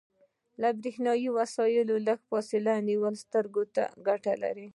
له بریښنایي وسایلو لږه فاصله نیول سترګو ته ګټه لري.